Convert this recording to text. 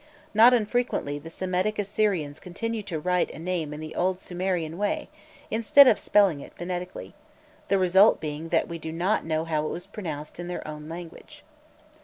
Not unfrequently the Semitic Assyrians continued to write a name in the old Sumerian way instead of spelling it phonetically, the result being that we do not know how it was pronounced in their own language.